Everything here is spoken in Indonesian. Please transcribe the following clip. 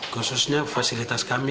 khususnya fasilitas kami